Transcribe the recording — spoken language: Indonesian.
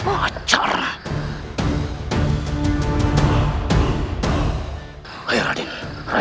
apakah kita harus melakukannya dengan beres